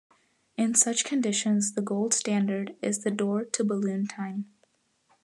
In such conditions, the gold standard is the door to balloon time.